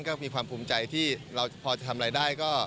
ก็มีความภูมิใจที่เราพอจะทำอะไรได้ก็